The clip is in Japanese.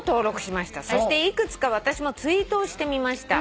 「そして幾つか私もツイートをしてみました」